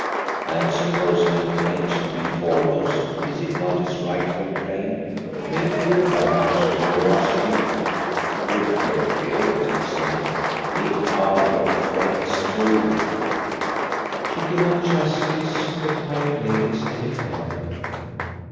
. And supposing he claims to be foremost, is it not his rightful claim, made good by much generosity? Reflect, dear Laetitia. We are your friends too." She could not chastise the kind ladies any further.